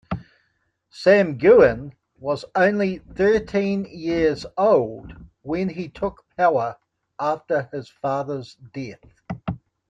Samgeun was only thirteen years old when he took power after his father's death.